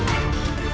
terima kasih